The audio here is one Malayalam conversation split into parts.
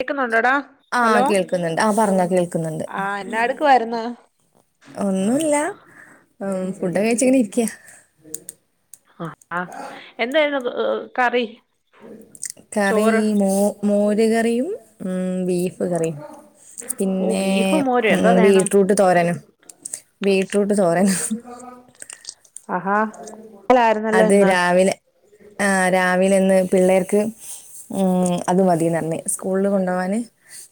കേക്കുന്നുണ്ടോടാ ആ ഹലോ കേൾക്കുന്നുണ്ട് ആ പറഞ്ഞാ കേൾക്കുന്നുണ്ട് ആഹ് എന്നാ എടുക്കുവായിരുന്ന് ഒന്നുല്ല ഉം ഫുഡ് കഴിച്ചിങ്ങനെ ഇരിക്ക്യാ ആ ആ എന്തായിരുന്നു കറി? കറി ചോറ് മോ മോര് കറിയും ഉം ബീഫ് കറിയും ഓ പിന്നെ ബീഫും മോരും ഉം എന്തോ വേണം ബീട്രൂട്ട് തോരനും ബീട്റൂട്ട് തോരനും [inaudible] ആഹാ ലായിരുന്നല്ലോ അത് ഇന്ന് രാവിലെ ആ രാവില ഇന്ന് പിള്ളേർക്ക് ഉം അത് മതി ന്നർഞ്ഞ് സ്കൂളില് കൊണ്ടോവാന്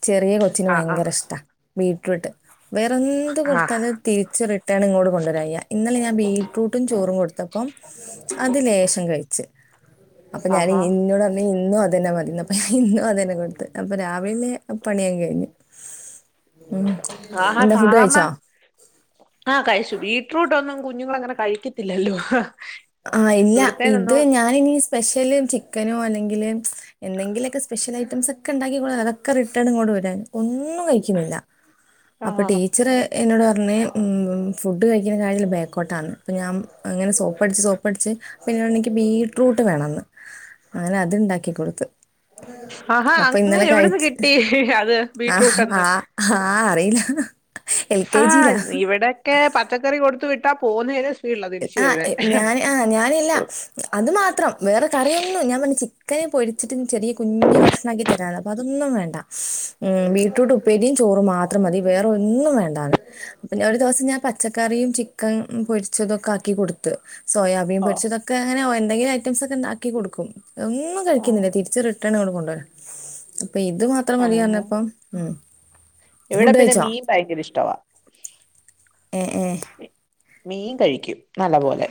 ചെറിയ കൊച്ചിന് ആഹ് ആഹ് ഭയങ്കര ഇഷ്ട ബീറ്റ്റൂട്ട് വേറെ എന്ത് ആഹ് കൊടുത്താലും തിരിച്ച് റിട്ടേൺ ഇങ്ങോട്ട് കൊണ്ടുവരയ്യ ഇന്നലെ ഞാൻ ബീറ്റ്റൂ ചോറും കൊടുത്തപ്പോ അത് ലേശം കഴിച്ച് അപ്പൊ ഞാൻ ആഹാ ഇന്നോടർ ഞ്ഞ് ഇന്നും അ ത് തന്നെ മതി അപ്പൊഞാൻ ഇന്നും അതന്നെ കൊടുത്ത് അപ്പൊ രാവിലെന്നെ പണിയക്കെ കഴിഞ്ഞ് ഉം ആഹാ എന്താ ഫുഡ് സാധാരണ കഴിച്ചോ ആ കഴിച്ചു ബീറ്റ്റൂട്ട് ഒന്നും കുഞ്ഞുങ്ങൾ അങ്ങനെ കഴിക്കത്തില്ലല്ലോ ആ ഇല്ല ഇത് ഇവിടത്തേനൊന്നും ഞാന് ഇനി സ്പെഷ്യല് ചിക്കനോ അല്ലെങ്കില് എന്തെങ്കിലൊക്കെ സ്പെഷ്യൽ ഐറ്റംസ് ഒക്കെ ഉണ്ടാക്കികൊടുത്താൽ അതൊക്കെ റിട്ടേൺ ഇങ്ങോട്ട് കൊണ്ട് വരാണ് ഒന്നും കഴിക്കുന്നില്ല അപ്പൊ ആഹ് ടീച്ചറ് എന്നോട് പറ ന്ന് ഫുഡ് കഴിക്കുന്ന കാര്യത്തിൽ ബേക്കോട്ടാണ് ഇപ്പോ ഞാൻ ങ്ങനെ സോപ്പിട്ട് സോപ്പടിച്ച് സോപ്പടിച്ച് പിന്നെർഞ്ഞ് ൻക്ക് ബീടറൂട്ട് വേണന്ന് അങ്ങനെ അത്ണ്ടാക്കി കൊടുത്ത് ആഹാ അപ്പൊ അങ്ങ് ഇന്നലെ എവിടുന്ന് കഴിച്ച് കിട്ടി അത് ആ ബീറ്റ്റൂട്ട്ന്ന് ആ ആഹ് അറിയില്ല എൽ ആ കെ ജിയിലാണ് ഇവിടൊക്കെ പച്ചക്കറി കൊടുത്തു വിട്ടാ പോവുന്ന വരെ ആ ഞാന് ആ ഞാനില്ല അത് മാത്രം വേറെ കറിയൊന്നും ഞാൻ പറഞ്ഞി ചി ചിക്കനെ പൊരിച്ചിട്ട് ചെറിയ കുഞ്ഞു കഷ്ണാക്കി തരാ അപ്പൊ അതൊന്നും വേണ്ട ഉം ബീട്രൂട്ട് ഉപ്പേരി ചോറ് മാത്രം മതി വേറെ ഒന്നും വേണ്ടാന്ന് ഒരു ദിവസം ഞാൻ പച്ചക്കറിയും ചിക്കൻ പൊരി പച്ചതൊക്കെ ആക്കി കൊടുത്ത് സോയാബീൻ ഓഹ് പൊരിച്ചതൊക്കെ അങ്ങനെയ എന്തങ്കിലും ഐറ്റംസ് ഒക്കെ ക്കി കൊടുക്കും ഒന്നും കഴിക്കുന്നില്ലേ തിരിച്ച്ു റിട്ടേൺ ഇവിടെ കൊണ്ട വെര അപ്പൊ ഇത് മാത്രം മതിയഞ്ഞപ്പം ഉം എവിടെ ഫുഡ് പിന്നെ കഴിച്ചോ മീൻ ഭയങ്കര ഇഷ്ടവാ ഏ ഏ മീൻ കഴിക്കും നല്ല പോലെ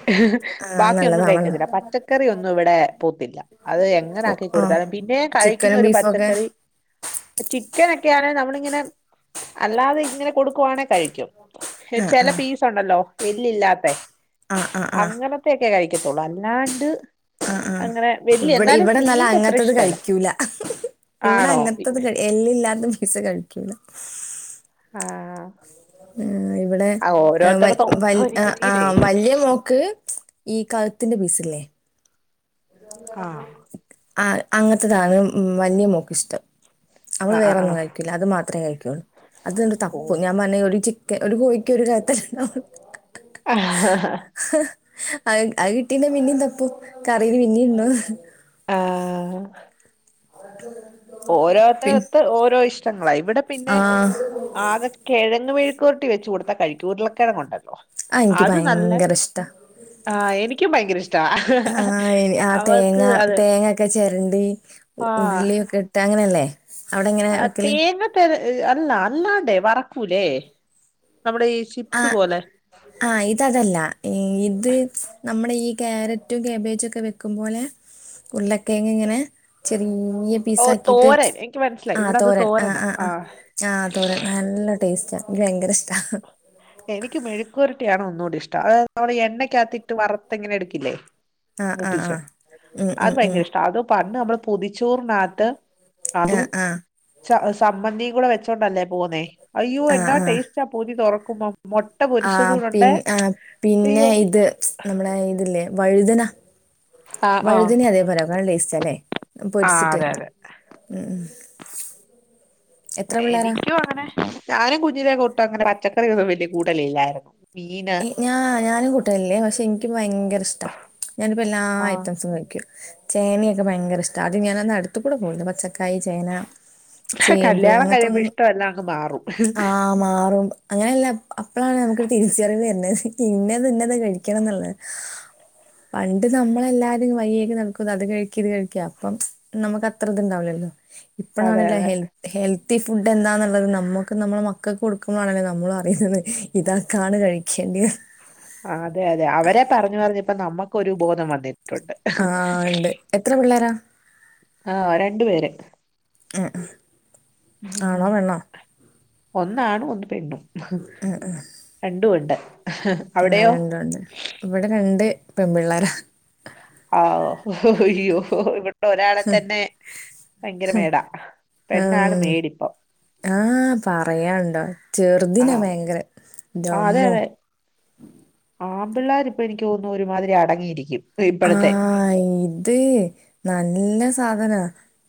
ആ ബാക്കിയൊന്നും നല്ലതാണല്ലോ കഴിക്കത്തില്ല പച്ചക്കറി ഒന്നും ഇവിടെ പൂത്തില്ല അത് ഓ, എങ്ങനെ ആ പിന്ന കഴിക്കുന്നത് ചിക്കനും ഒരു ബീഫും ഒക്കെ പച്ചക്കറി ചിക്കനൊക്കെയേൻ ഞമ്മൾ ഇങ്ങനെ അല്ലാതെ ഇങ്ങനെ കൊടുക്കുവാണങ്ക കഴിക്കും ആ ആ ണല്ലോ എല്ല് ഇല്ലാത്ത ആഹ് ആഹ് ആഹ് അങ്ങനത്തൊക്കെ കഴിക്കത്തുള്ളൂ അല്ലാണ്ട് ആ ആ അങ്ങനെ വല്യ ഇവിടെ എന്നാലും ഇവിടെന്നല്ല മീന്റെ അത്ര അങ്ങത്തത് ഇഷ്ടല്ല കഴിക്കൂല ഇവിടെ ആണോ അങ്ങനത്തത് എല്ലു ഇല്ലാത്ത പീസ കഴിക്കല ആഹ് ഉം ആ ഇവിടെ ആ വ ഓരോരുത്തടത്തും ഓരോ ആ ആ രീതിയിലേ വല്ിയ മോൾക് ഈ കാലത്തിന്റെ പീസല്ലേ ആഹ് ആ അങ്ങത്തതാണ് വലിയ മോൾക്കിഷ്ടം നമ്മള് ആഹ് ആഹ് വേറെന്നും ആഹ് കഴിക്കൂല്ല അത് മാത്രമേ കഴിക്കുള്ളൂ അത്ന്റെ ഓ തപ്പു ഞാൻ [unintelligible] ചി ഒരു കോഴിക്ക് ഒരു കത്തിലണ്ട ആ ആ അഹ് അഹ് കിട്ടീന്റെ പിന്നേം തപ്പ കറിന് പിന്നി ഉണ്ടോ അഹ് അ ഓരോത്തരത്ത് ഓരോ ഇഷ്ടങ്ങളാ ഇവിടെ പിന്നെ ആഹ് ആകെ കിഴങ് വീഴ് [unintelligible] വെച്ച് കൊടുത്ത കഴികു ഉരുള കിഴങ് ണ്ട് ആ എനിക്ക് ഭയങ്കര ഇഷ്ടാ ആ എനിക്കും ഭയങ്കര ഇഷ്ടാ ആ ആ തേങ്ങ അവൾക്ക് അത് തേങ്ങൊക്കെ ചിരണ്ടി ആ ഉള്ളിയ ഒക്കെ ഇട്ട് അങ്ങനെയല്ലേ അവിടെ എങ്ങനെ ആ വെക്കല് തേങ്ങ തര അല്ല അല്ലാണ്ടേ വറക്കൂലേ നമ്മുടെ ഈ ചിപ്സ് ആഹ് പോലെ ആഹ് ഇതതല്ല ഈ ഇത് നമ്മുടെ ഈ കയാരറ്റും കാബേജ ഒക്കെ വെക്കും പോലെ ഉരുള കിഴങ് ഇങ്ങനെ ചെരി ിയ പീസ ഓ ആക്കിട്ട് തോരൻ എനിക്ക് മനസ്സിലായി ആ ഇവിടെ അത് തോരൻ ആ തോരനാ ആ ആ ആഹ് തോര നല്ല ടേസ്റ്റ് എനിക്ക് ഭയങ്കര ഇഷ്ട എനിക്ക് മെഴുരട്ടിയാണ് ഒന്നുകൂടി ഇഷ്ട അത് നമ്മള് എണ്ണക്കത്തിട്ട് വറുത്ത്ങ്ങനെ എടുക്കില്ലേ ആഹ് ആഹ് മുപ്പിച്ചു ആഹ് ഉം അത് ഉം ഉം ഭയങ്കര ഇഷ്ട അത പണ്ട് നമ്മള് പുതിച്ചോറിനകത്ത് ആ ആ സമ്മന്തി കൂടെ വെച്ചോണ്ടല്ലേ പോകുന്നേ അയ്യോ ആഹ് എന്നാ ആഹ് ടേസ്റ്റ് ആ പൊതി തുറക്കുമ്പോ മൊട്ട ആ പൊരിച്ചതൂടൊണ്ടേ പിന്ന ആ പിന്നെ അയ്യോ ഇത് നമ്മുടെ ഇതില്ലേ വഴുതനാ ആഹ് ആഹ് വഴുതന്െ അതേപോലെക്ക നല്ല ടേസ്റ്റില്ലേ ആഹ് പൊരിച്ചിട്ട് അതെ അതെ ഉ ഉ എനിക്കും അങ്ങനെ ഞാനും കുഞ്ഞിലെക്കൊട്ടും അങ്ങനെ പച്ചക്കറൊന്നും വലിയ കൂടലില്ലായിരുന്നു മീന് ഞാ ഞാനും കൂട്ടല്ലേ പക്ഷെ എനിക്ക് ഭയങ്കര ഇഷ്ടാ ഞാനിപ്പോ എല്ലാ ആഹ് ഐറ്റംസും കഴിക്കും ചേനയൊക്കെ ഭയങ്കര ഇഷ്ട അത് ഞാന അടു കൂടെ പോവില്ല. പച്ചക്കായ ചേന ചേമ്പ് കല്യാണം കഴിയുമ്പോ അങ്ങനത്തൊന്നും ഇഷ്ടമെല്ലാം അങ്ങ് മാറും ആഹ മാറും അങ്ങനെയല്ല അപ്പഴാണ് നമുക്കരു തി ചെറിവ് വര ഇന്നെത്ന്നത് കഴിക്കണംന്നുള്ളത് പണ്ട് നമ്മളെല്ലാരും വയ്യേക്ക് നടക്ക അത് കഴിക്കിത് കഴിക്ക അപ്പം നമുക്ക് അത്ര ഇത്ണ്ടാവില്ലല്ലോ അതെ ഇപ്പഴാണല്ലോ അതെ ഹെൽത്ത് ഹെൽത്ത് ഹെൽത്തി ഫുഡ് എന്താന്നുള്ളത് നമ്മുക്ക് നമ്മെ മക്കൾക്ക് കൊടുക്കുമ്പോണല്ലോ നമ്മൾ അറിയുന്നത് ഇതാ കാണ്കഴിക്കേണ്ടെ? ഇപ്പൊ നമ്മുക്കൊരു ബോധം വന്നിട്ടുണ്ട്. ആ ഉണ്ട് എത്ര പിള്ളേരാ ആഹ രണ്ടു പേര്. ആണോ പെണ്ണോ ഒന്നാണും ഒന്ന് പെണ്ണും രണ്ടും ഉണ്ട്. ആഹ അവിടെയോ രണ്ടും ഉണ്ട് ഇവിടെ രണ്ട് പെൺപിള്ളേരാ. യോ ഇവിടെ ഒരാളെ തന്നെ ഭയങ്കര മേടാ പെണ്ണാണ് മേടിപ്പം. ആഹ് പറയണ്ടോ ആ ചെറുതിനാ ഭയങ്കര ഇന്റെമ്മോ ആൺപിള്ളേര് ഇപ്പ എനിക്ക് തോന്നുന്നു ഒരുമാതിരി അടങ്ങിയിരിക്കും. ഇപ്പോഴത്തെ ആഹ ഇത് നല്ല സാധനാ.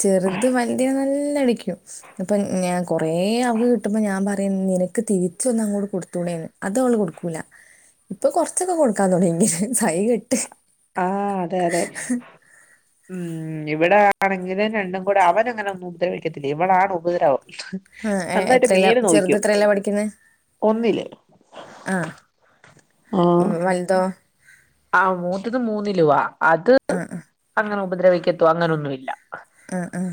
ചെറുത് വലയ നല്ല അടിക്കും ഇപ്പൊ ഞാൻ കൊറേ അവക്ക് കിട്ടുമ്പോ ഞാൻ പറ നിനക്ക് തിരിച്ച ഒന്ന അങ്ങോട് കൊടുത്തൂടെന്ന് അത അവള് കൊടുക്കൂല. ഇപ്പൊ കൊറച്ചൊക്കെ കൊടുക്കാൻ തൊടങ്ങി, സഹികെട്ട്. ആഹ അതെ അതെ ഉ ഉ ഇവിടെ ആണെങ്കിലും രണ്ടും കൂടെ അവര്ങ്ങനെ ഒന്നും ഉപദ്രവിക്കത്തില്ല ഇവളാണ് ഉപദ്രവം. ആ എ നന്നായിട്ട് എത്രയിലാ ചെറുത് മേല്നോവിക്കും എത്രയിലാ ഒന്നില്. ആഹ ആ വലുതോ? ആ മൂതത് മൂന്നിലൂവാ ആ ആ അങ്ങനെ ഉപ്രവിക്കത്തോ അങ്ങനൊന്ന മില്ല. ആ ആഹ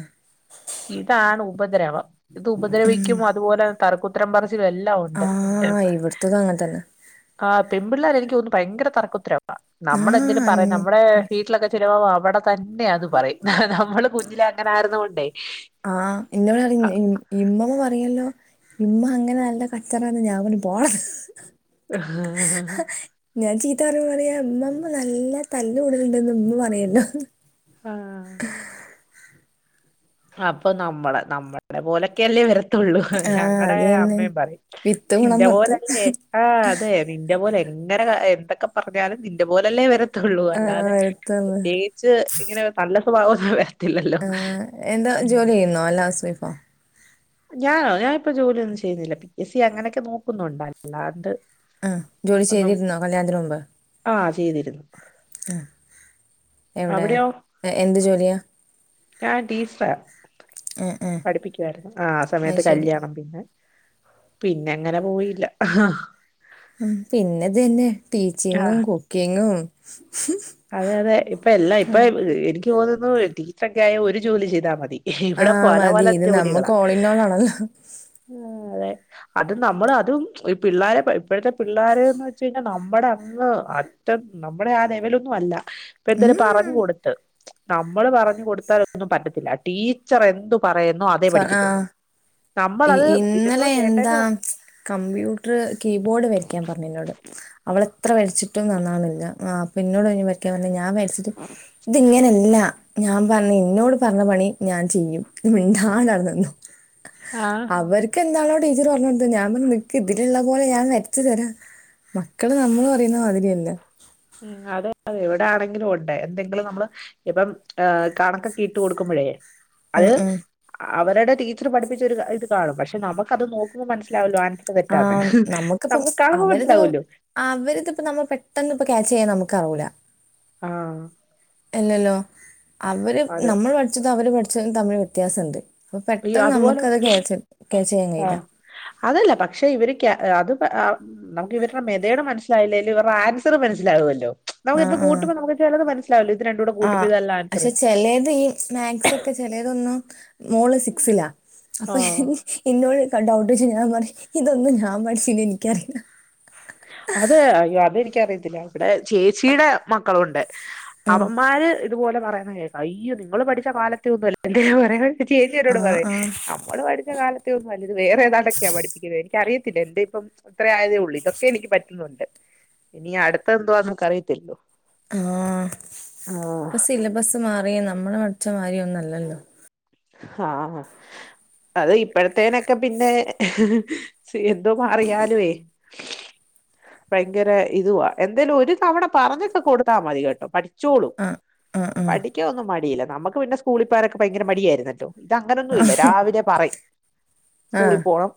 ഇതാണ് ഉപദ്രവം ഇത് ഉപദ്രവിക്കും അതുപോലെ തറക്കുത്രം പറ - - എല്ലാം ആ ഉണ്ട്. ഇവിടുത്തതും അങ്ങനെ തന്നെ. ആ പെൺ പിള്ളേർ എനിക്ക ത്തോന്നുന്നു ഭയങ്കര തർക്കുത്തരവാ, ആ നമ്മളെന്തെലും പറയാം ഉം. നമ്മുടെ വീട്ടിലൊക്കെ ചിലവാ അവിടെ തന്നെ അത് പറയും നമ്മള് കുഞ്ഞിലെ അങ്ങനെ ആരുന്ന കൊണ്ടേ ആഹ് ഇന്ന ഇവിടെ അ ഇമ്മമ്മ പറയല്ലോ ഇമ്മ അങ്ങനെ നല്ല കച്ചറന്ന് ഞാൻ പോ പോടാ ആഹ ഞാൻ ചീത്ത പറഞ്ഞ പറയാ ഉമ്മമ്മ നല്ല തല്ല കൂടലുണ്ടന്ന് ഉമ്മ പറയല്ലോ ആഹ അപ്പൊ നമ്മളെ നമ്മുടെ പോലൊക്കെയല്ലേ വ ആഹ് ഞങ്ങളുടെ അത് തന്നെ അമ്മയും പറയും വിത്ത് ഗുണം നിന്റെ പത്ത് പോലല്ലേ ആ് അതെ നിന്റെ പോലെ അങ്ങനെ എന്ത പറഞ്ഞാല നിന്റെ പോലല്ലേ വരത്തുള്ളൂ ആഹ് അല്ലാതെ അടുത്താണ് പ്രത്യേകിച്ച് ഇങ്ങനെ നല്ല അവൊന്നും വരത്തില്ലല്ലോ. ആഹ് എന്താ ഉം ജോലി ചെയ്യുന്നോ അല്ല ഹൗസ് വൈഫോ? ഞാനോ ഞാനിപ്പോ ജോലിയന്നും ചെയ്യുന്നില്ല പി എസ് സി അങ്ങനെയൊക്കെ നോക്കുന്നുണ്ട അല്ലാണ്ട് ആ ജോലി ഒന്നും ചെയ്തിരുന്നോ കല്യാണത്തിന് മുമ്പ്. ആഹ് ചെയ്തിരുന്നു. ആ എവിട അവിടെയോ എന്ത് ജോലിയാ? ഞാൻ ടീച്ചറ ആഹ് ആഹ് പഠിപ്പിക്കുവായിരുന്നു ആ ആ അത് സമയത്ത് ശരി കല്യാണം പിന്നെ പിന്നെ അങ്ങനെ പോയില്ല. ആ പിന്നെതു തന്നെ ടീച്ചിങ്ങും ആഹ് കുക്കിങ്ങും. അതെ അതെ ഇപ്പ എല്ലാം ഇപ്പൊ എനിക്ക് തോന്നുന്നു ടീച്ചറൊക്കെ ആയ ഒരു ജോലി ചെയ്താ മതി. ഇവിടെ ആഹ് പല മതി പല ഇത് ജോലികളാ നമ്മക്ക് ഓൾ ഇൻ ഓൾ ആണല്ലോ അതെ അത് നമ്മൾ അതും ഈ പിള്ളോര ഇപ്പോഴത്തെ പിള്ളോരന്ന് വെച് കഴിഞ്ഞാൽ നമ്മുടെ അങ്ങ് നമ്മുടെ ആ ലെവലൊന്നും അല്ല ഇപ്പൊ ഉം എന്തായാലും പറഞ്ഞു കൊടുത്ത് നമ്മള് പറഞ്ഞു കൊടുത്താല ഒന്നും പറ്റത്തില്ല ടീച്ചർ എന്തും പറയുന്നു അതേ പഠിക്കത്തുള്ളൂ ആഹ് നമ്മളത് ഇതുങ്ങൾ ഇന്നലെ എന്താ കേട്ടേന്റെ കമ്പ്യൂട്ടർ കീബോർഡ് വരക്കാൻ പറഞ്ഞുന്നോട് അവളെ ഇത്ര വരിച്ചിട്ടും നന്നാണില്ല അപ്പൊ പിന്നോട് പറഞ്ഞ് വരയ്ക്കാൻ പറഞ്ഞ് ഞാൻ വരിച്ചിട്ട് ഇതിങ്ങനെയല്ല ഞാൻ പറഞ്ഞ് ഇന്നോട് പറഞ്ഞ പണി ഞാൻ ചെയ്യും നീ മിണ്ടാണ്ടാവടന്നോ ആഹ് അവർക്ക് എന്താണോ ടീച്ചർ പറഞ്ഞത് കൊടുത്തേ ഞാൻ പറഞ്ഞ നിക്ക് ഇതിലുള്ള പോലെ ഞാൻ വരച്ചു തരാ മക്കള് നമ്മള് പറയുന്ന മാതിര്യല്ല മ് അതെ അതെ എവിടെ ആണെങ്കിലും ഉണ്ടേ എന്തെങ്കിലും നമ്മള് ഇപ്പം കണക്കൊക്കിട്ട് കൊടുക്കുമ്പോ [unintelligible] മ് മ് അവരുടെ ടീച്ചർ പഠിപ്പിച്ചൊ ഒരു ഇത് കാണും പക്ഷ നമക്കിത് നോക്കുമ്പോൾ മനസ്സിലാവല്ലോ ആ തെറ്റാന്ന് നമുക്കിപ്പം നമുക്ക് കാണുമ്പോ അവരിത് മനസ്സിലാവല്ലോ അവരിതിപ്പ നമ്മ പെട്ടെന്ന് ക്യാച്ചെയ്യാൻ നമുക്കാവൂല ആ അല്ലല്ലോ അവര് അതെ നമ്മൾ പഠിച്ചത് അവര് പഠിച്ചതും തമ്മിൽ വ്യത്യാസണ്ട് അപ്പൊ ഈ പെട്ടെന്ന് അതുപോലെ നമുക്കത് ക്യാച്ച് ക്യാച്ച് ചെയ്യാൻ ആ കഴിയില്ല. അതല്ല പക്ഷെ ഇവർക്ക് അതും അ നമുക്ക് ഇവരുടെ മെതേട് മനസിലായില്ലേലും ഇവരുടെ ആൻസറ മനസ്സിലാവുമല്ലോ നമുക്കിപ്പ കൂട്ടുമ്പോ നമക്ക് ചിലത് മനസ്സിലാവല്ലോ ഇത് രണ്ടൂടെ ആ കൂട്ടുമ്പോ ഇതല്ല ആൻസർ പക്ഷെ ചേലെത് ഈ മാത്സ് ഒക്കെ ചെലേലതൊന്നു മോള് സിക്സില അപ്പൊ ആഹ് എന്നോട് ഡൌട്ട് ചോദിച്ചാൽ ഞാൻ പറേയും ഇതൊന്നും ഞാൻ പഠിചേലനിക്കറിയില്ല. അത് അയ്യോ അതെനിക്കറിയത്തില്ല ഇവിടെ ചേച്ചിയുടെ മക്കളുണ്ട് ഉം. അവന്മാര് ഇതുപോലെ പറയുന്ന കേക്ക അയ്യോ നിങ്ങള് പഠിച്ച കാലത്ത ഒന്നും അല്ല എ [inaudible] ചേച്ചിയെന്നോട് ആഹ് പറയും ആഹ്. നമ്മള് പഠിച്ച കാലത്തെ ഒന്നും അല്ലത് വേറെേതാണ്ടൊക്കെയാ പഠിപ്പിക്ക എനിക്കറിയ ല്ല എന്റെ ഇപ്പം അത്രയതേ ഉള്ളൂ ഇതക്ക ന്നുണ്ട് ഇനി അടുത്ത എന്തവാ നക്ക് അറിയത്തില്ലോ ആ ഇപ്പസിലബസ് മാറിയെന്ന നമ്മള പഠിച്ച മാര്യൊന്നല്ലല്ലോ ഹാ അത് ഇപ്പോഴത്തേനൊക്കെ പിന്നെ ഹ് എന്തും മാറിയാലുവേ ഭയങ്കര ഇതുവാ എന്തേലും ഒരു തവണ പറഞ്ഞൊക്കെ കൊടുത്ത മതി കേട്ടോ പഠി ചൂളും ആഹ് ആഹ് ആഹ്. പഠിക്കാൻ ഒന്നും മടിയില്ല നമുക്ക് പിന്നെ സ്കൂളിപോന്നോക്കെ ഭയങ്കര മടിയായിരുന്നല്ലോ ഇതങ്ങനൊന്നും ഇല്ല ആഹ് രാവിലെ പറയും സ്കൂളിൽ പോണം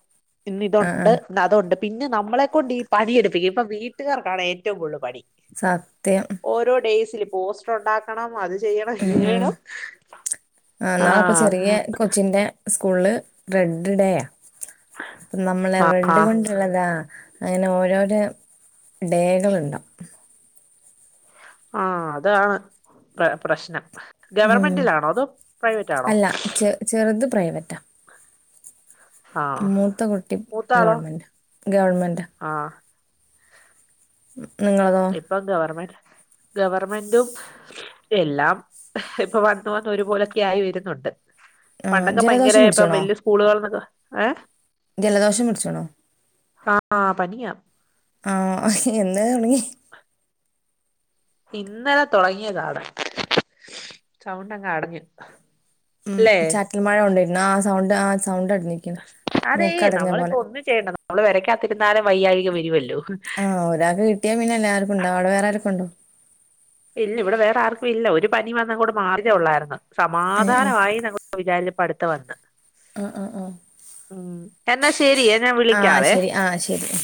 ആഹ് പിന്നതുണ്ട് ആഹ്. അതണ്ട് പിന്നെ നമ്മളെ കൊണ്ട് ഈ പണിയെടുപ്പിക്കും ഇപ്പൊ വീട്ടുകാർക്കാണ് ഏറ്റവും കൂടുതൽ പണി സത്യം. ഓരോ ഡേയ്സിൽ പോസ്റ്റർ ഉണ്ടാക്കണം അത് ചെയ്യണം ഉം. ഇങ്ങണം ആ ചെറിയ കൊച്ചിന്റെ സ്കൂള് റെഡ് ഡേയ നമ്മള റെണ്ട് ആഹ് കൊണ്ടുള്ളതാ അങ്ങനെ ഓരോരോ ഡേകളുണ്ടാവ ആ അതാണ് പ്ര പ്രശ്നം ഉം ഗവർമെന്റിലാണോ അതോ പ്രൈവറ്റാണോ? അല്ല ചെ ചെറുത് പ്രൈവറ്റാ മൂത്ത കുട്ടി മൂത്താളോ ഗവണ്മെന്റാ ഗവണ്മെന്റാ ആഹ് നിങ്ങളതോ ഇപ്പം ഗവർമെന്റ് ഗവർമെന്റും എല്ലാം ഇപ്പൊ വന്ന് വന്ന് ഒരുപോലൊക്കെ ആയി വരുന്നുണ്ട് ആ പണ്ടൊക്കെ ഭയങ്കര ജലദോഷം ഇപ്പ പിടിച്ചണോ വല്യ സ്കൂളുകന്നൊക്കെ ഏ ജലദോഷം പിടിച്ചോണോ ആ പനിയാ ആഹി എന്നേ തുണങ്ങി ഇന്നലെ തുടങ്ങിയതാണ് ചൗണ്ടങ്ങ അടഞ്ഞു ഉം ചാറ്റൽ മഴ കൊണ്ടരുന്നു ആ സൗണ്ട് ആ സ് അതേ നമ്മളിപ്പോ പോലെ ഒന്നും ചെയ്യണ്ട നമ്മള് വരക്കാത്തിരുന്നരം വയ്യാഴ്ക വരുമല്ലോ ആഹ് ഒരാൾക്ക് കിട്ടിയാ പിന്നെല്ല ആർക്കും ഉണ്ടോ അവിടെ വേറെ ആർക്കുംണ്ടോ ഇല്ല ഇവിടെ വേറെ ആർക്കും ഇല്ല ഒരു പനി വന്ന കൂടി മാറതേ ഉള്ളായിരുന്നു ഏ ഏ സമാധാനമായി നങ്ങ് വിചാരിചപ്പടുത്ത വന്ന് ആ ആ ആ ഉം എന്നാ ശരിയേ ഞാൻ ആ വിളിക്കാവെ ശരി ആ ശരി